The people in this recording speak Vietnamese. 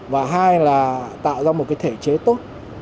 và hai là tạo ra một thể chế tốt